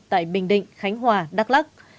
tại bình định khánh hòa đắk lắc